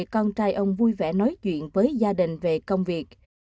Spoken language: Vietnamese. con trai ông vui vẻ nói chuyện với gia đình về công việc